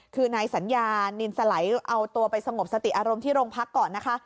คือนายสัญญานินสไหลเอาตัวไปสงบสติอารมณ์ที่โรงพักก่อนนะคะ